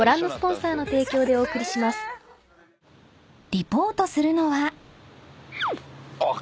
［リポートするのは］